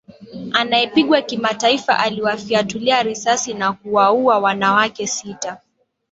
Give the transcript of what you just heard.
anayepingwa kimataifa aliwafiatulia risasi na kuwaua wanawake sita